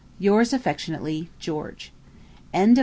Yours affectionately, GEORGE. Letter 12.